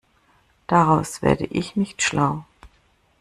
Daraus werde ich nicht schlau.